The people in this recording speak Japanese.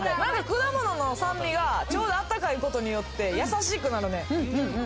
果物の酸味がちょうどあったかいことによって、優しくなるね。